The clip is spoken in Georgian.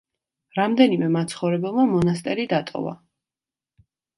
რამდენიმე მაცხოვრებელმა მონასტერი დატოვა.